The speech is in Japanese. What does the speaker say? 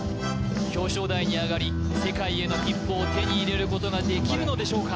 表彰台に上がり世界への切符を手に入れることができるのでしょうか